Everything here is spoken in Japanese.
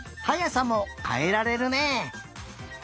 はやさもかえられるね。